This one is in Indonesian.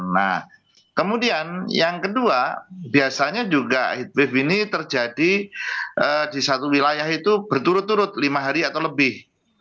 nah kemudian yang kedua biasanya juga heat wave ini terjadi di satu wilayah itu berturut turut lima hari atau lebih